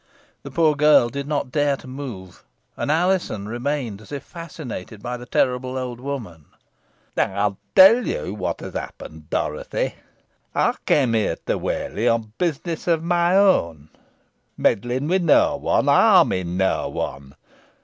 The poor girl did not dare to move, and Alizon remained as if fascinated by the terrible old woman. "I will tell you what has happened, Dorothy," pursued Mother Chattox. "I came hither to Whalley on business of my own; meddling with no one; harming no one.